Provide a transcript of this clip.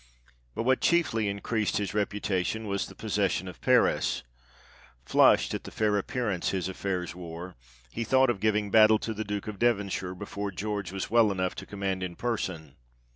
But what chiefly increased his reputation, was the possession of Paris. Flushed at the fair appearance his affairs wore, he thought of giving battle to the Duke of Devonshire, before George was well enough to command in person.